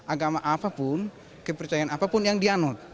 agama apapun kepercayaan apapun yang dianut